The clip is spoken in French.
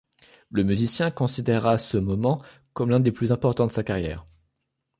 Le musicien considéra ce moment comme l'un des plus importants de sa carrière.